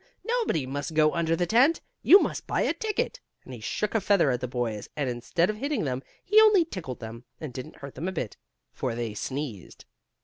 Nobody must go under the tent. You must buy a ticket," and he shook a feather at the boys and, instead of hitting them, he only tickled them, and didn't hurt them a bit, for they sneezed.